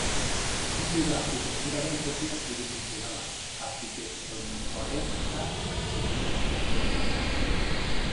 Ez dira arkitekturaren kopia tridimentsionalak, arkitektonikoarenak baizik.